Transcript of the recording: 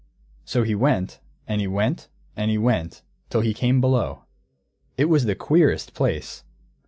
So he went, and he went, and he went, till he came Below. It was the queerest place!